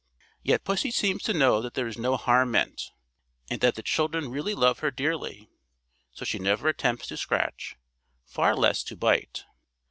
Yet pussy seems to know that there is no harm meant, and that the children really love her dearly; so she never attempts to scratch, far less to bite.